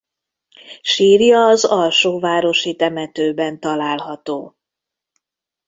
Sírja az Alsóvárosi temetőben található.